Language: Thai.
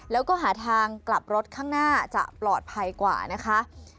แล้วก็หาทางกลับรถข้างหน้าจะปลอดภัยกว่านะคะ